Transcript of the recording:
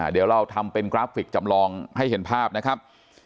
เดี๋ยวเราทำเป็นกราฟิกจำลองให้เห็นภาพนะครับ